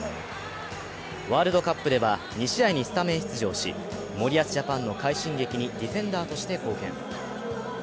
ワールドカップでは２試合にスタメン出場し、森保ジャパンの快進撃にディフェンダーとして貢献。